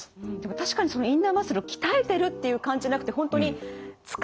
確かにインナーマッスルを鍛えてるっていう感じじゃなくて本当に使ってるっていう感覚。